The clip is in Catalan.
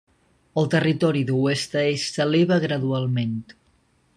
El territori d'oest a est s'eleva gradualment.